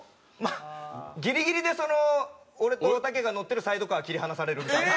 ギリギリでその俺とおたけが乗ってるサイドカー切り離されるみたいな。